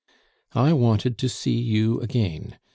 "I wanted to see you again.